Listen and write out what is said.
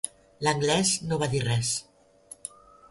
L'anglès no va dir res.